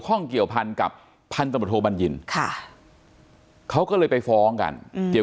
ข้องเกี่ยวพันกับพันธบทโทบัญญินค่ะเขาก็เลยไปฟ้องกันเกี่ยว